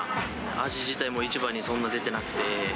アジ自体も、市場にそんな出てなくて。